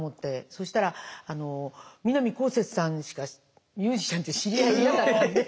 そしたら南こうせつさんしかミュージシャンで知り合いいなかったんで。